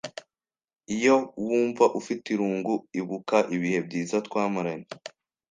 Iyo wumva ufite irungu, ibuka ibihe byiza twamaranye.